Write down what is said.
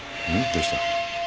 どうした？